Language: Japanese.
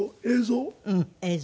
うん。映像。